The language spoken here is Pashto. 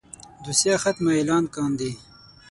دوسيه ختمه اعلان کاندي.